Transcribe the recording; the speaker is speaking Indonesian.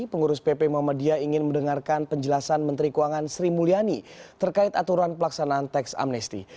pengurus pp muhammadiyah ingin mendengarkan penjelasan menteri keuangan sri mulyani terkait aturan pelaksanaan teks amnesti